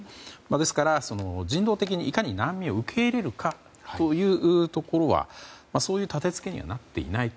ですから、人道的にいかに難民を受け入れるかというところはそういう立て付けにはなっていないと。